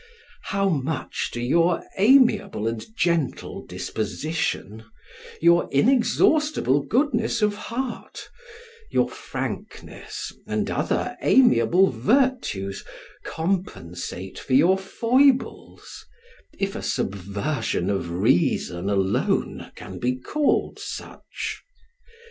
How much do your amiable and gentle disposition, your inexhaustible goodness of heart, your frankness and other amiable virtues, compensate for your foibles, if a subversion of reason alone can be called such.